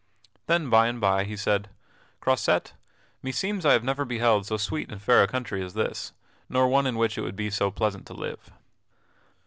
Then by and by he said: "Croisette, meseems I have never beheld so sweet and fair a country as this, nor one in which it would be so pleasant to live."